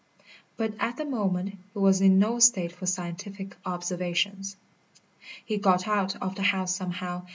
But at the moment he was in no state for scientific observations. He got out of the house somehow.